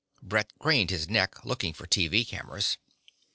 Brett craned his neck, looking for TV cameras.